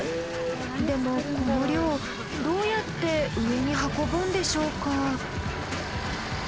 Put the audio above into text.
でもこの量どうやって上に運ぶんでしょうか？